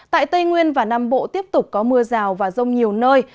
tại tây nguyên và nam bộ tiếp tục có mưa rào và rông nhiều nơi